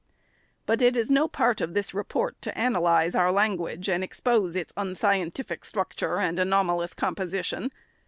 But it is no part of this report to analyze our language and expose its unscientific structure and anomalous composition.